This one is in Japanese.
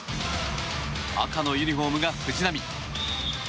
赤のユニホームが藤波。